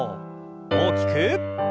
大きく。